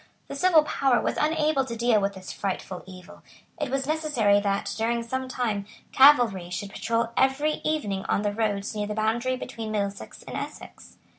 The civil power was unable to deal with this frightful evil. It was necessary that, during some time, cavalry should patrol every evening on the roads near the boundary between Middlesex and Essex.